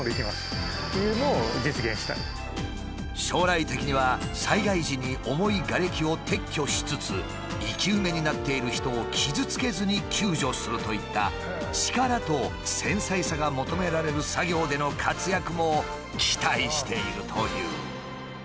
将来的には災害時に重いがれきを撤去しつつ生き埋めになっている人を傷つけずに救助するといった力と繊細さが求められる作業での活躍も期待しているという。